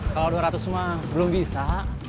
kalau dua ratus mah belum bisa